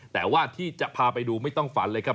แต่ว่าที่จะพาไปดูไม่ต้องฝันเลยครับ